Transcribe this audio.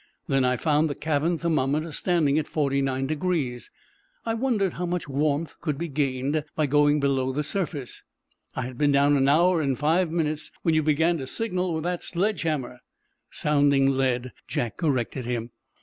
"Then I found the cabin thermometer standing at 49 degrees. I wondered how much warmth could be gained by going below the surface. I had been down an hour and five minutes when you began to signal with that sledge hammer—" "Sounding lead," Jack corrected him.